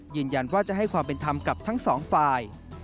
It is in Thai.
ยืนยันว่าจะให้ความเป็นธรรมกับทั้งสองฝ่าย